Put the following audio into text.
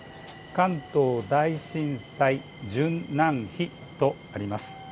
関東大震災殉難碑とあります。